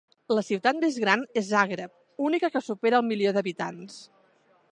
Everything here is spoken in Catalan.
La ciutat més gran és Zagreb, única que supera el milió d'habitants.